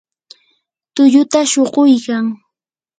tulluta shuquykan.